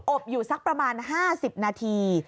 บอยู่สักประมาณ๕๐นาที